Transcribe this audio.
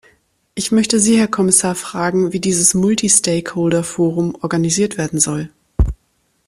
Ich möchte Sie, Herr Kommissar, fragen, wie dieses Multistakeholder-Forum organisiert werden soll.